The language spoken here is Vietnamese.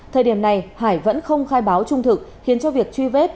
thời điểm này hải vẫn không khai báo trung thực khiến cho việc truy vết